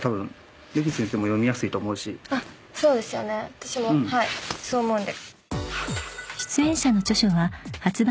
私もそう思うんで。